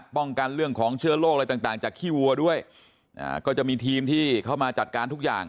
ป้องกันเรื่องของเชื้อโรคอะไรต่างต่างจากขี้วัวด้วยก็จะมีทีมที่เข้ามาจัดการทุกอย่าง